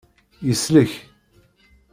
Yeslek.